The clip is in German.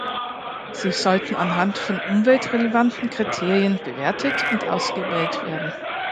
Sie sollten anhand von umweltrelevanten Kriterien bewertet und ausgewählt werden.